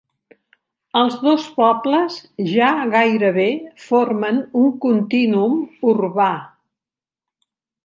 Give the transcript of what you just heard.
Els dos pobles ja gairebé formen un contínuum urbà.